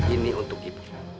ini untuk ibu